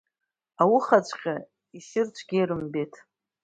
Аухаҵәҟьа ишьыр цәгьа ирымбеит.